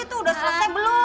itu udah selesai belum